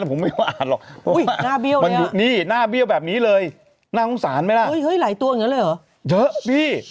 ผมไม่ว่าอ่านหรอกมันอยู่นี่หน้าเบี้ยวแบบนี้เลยน่าสงสารไหมล่ะเฮ้ยหลายตัวอย่างนั้นเลยเหรอเยอะพี่